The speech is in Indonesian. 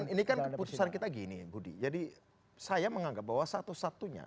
ini kan keputusan kita gini budi jadi saya menganggap bahwa satu satunya